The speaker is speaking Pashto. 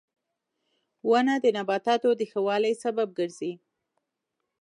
• ونه د نباتاتو د ښه والي سبب ګرځي.